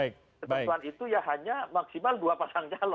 ketentuan itu ya hanya maksimal dua pasang calon